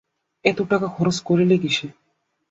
এত টাকা খরচ করলি কিসে?